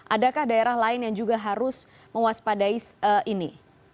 adakah daerah lain yang juga harus mewaspadai ini